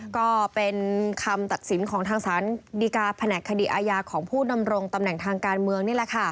ก็เป็นคำตัดสินของทางศาลดีกาแผนกคดีอาญาของผู้ดำรงตำแหน่งทางการเมืองนี่แหละค่ะ